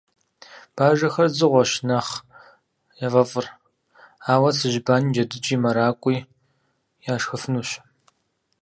Бажэхэм дзыгъуэщ нэхъ яфӀэфӀыр, ауэ цыжьбани, джэдыкӀи, мэракӀуи, яшхыфынущ.